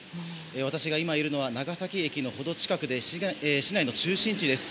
私が今いるのは長崎駅のほど近くで市内の中心地です。